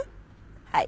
はい。